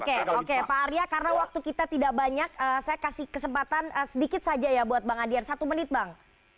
oke oke pak arya karena waktu kita tidak banyak saya kasih kesempatan sedikit saja ya buat bang adian satu menit bang